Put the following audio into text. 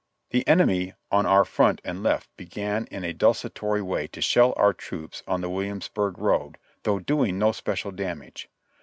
The enemy on our front and left began in a desultory way to shell our troops on the Williamsburg road, though doing no spe cial damage.